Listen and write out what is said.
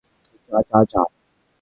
যা, যা, যা।